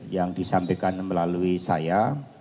yang disampaikan melalui saya